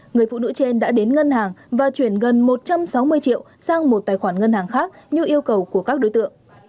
người phụ nữ trên đã đến ngân hàng và chuyển gần một trăm sáu mươi triệu sang một tài khoản ngân hàng khác như yêu cầu của các đối tượng